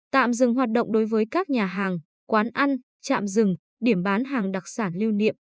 tạm dừng hoạt động đối với các nhà hàng quán ăn chạm rừng điểm bán hàng đặc sản lưu niệm